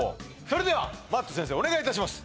それではＭａｔｔ先生お願いいたします